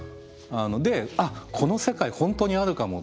で「あっこの世界本当にあるかも」